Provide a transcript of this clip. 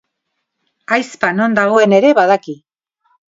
Ahizpa non dagoen ere badaki.